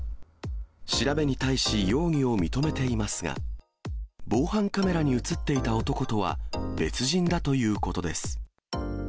調べに対し容疑を認めていますが、防犯カメラに写っていた男とは別人だということです。